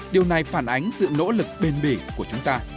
điều này phản ánh sự nỗ lực bền bỉ của chúng ta